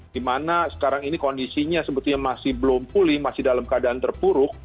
dimana sekarang ini kondisinya sebetulnya masih belum pulih masih dalam keadaan terpuruk